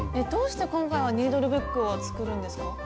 どうして今回はニードルブックを作るんですか？